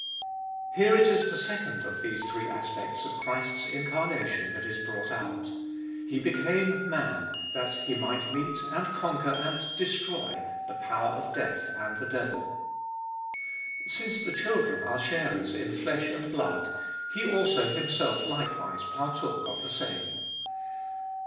Here it is the second of these three aspects of Christ's incarnation that is brought out : He became man that He might meet and conquer and destroy the power of death and the devil. Since the children are sharers in flesh and blood, He also Himself likewise partook of the same.